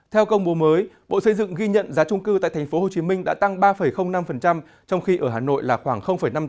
theo công bố mới bộ xây dựng ghi nhận giá trung cư tại tp hcm đã tăng ba năm trong khi ở hà nội là khoảng năm mươi bốn